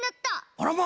あらま！